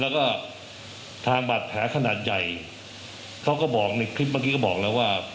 แล้วก็ทางบาดแผลขนาดใหญ่เขาก็บอกในคลิปเมื่อกี้ก็บอกแล้วว่า